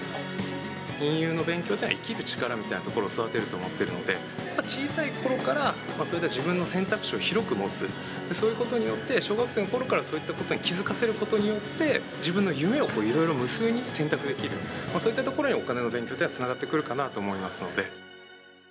金融の勉強というのは、生きる力を育てると思っているので、小さいころからそういった自分の選択肢を広く持つ、そういうことによって、小学生のころからそういったことに気付かせることによって、自分の夢をいろいろ無数に選択できる、そういったところにお金の勉強というのはつながってくるかなと思いますので。